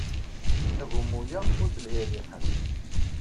Agummu-a ur telhi rriḥa-s.